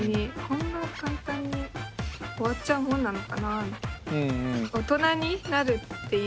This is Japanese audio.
こんな簡単に終わっちゃうもんなのかなみたいな。